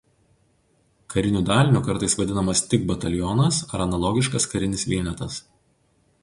Kariniu daliniu kartais vadinamas tik batalionas ar analogiškas karinis vienetas.